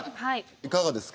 いかがですか。